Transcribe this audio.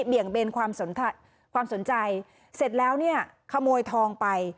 เบี่ยงเบนความสนทักความสนใจเสร็จแล้วเนี่ยขโมยทองไป